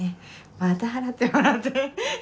また払ってもらって。